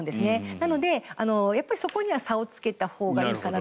なので、そこには差をつけたほうがいいかなと。